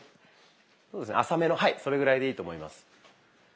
浅めのはいそれぐらいでいいと思います。